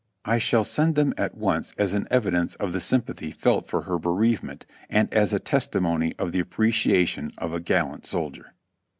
I shall send them at once as an evidence of the sympathy felt for her bereavement and as a testimony of the appreciation of a gal lant soldier."